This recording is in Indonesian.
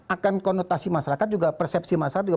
akan konotasi masyarakat juga persepsi masyarakat juga